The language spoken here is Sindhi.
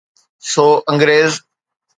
سو انگريز.